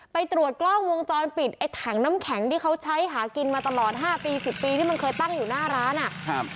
ไปตรวจกล้องวงจรปิดไอ้ถังน้ำแข็งที่เขาใช้หากินมาตลอดห้าปีสิบปีที่มันเคยตั้งอยู่หน้าร้านอ่ะครับ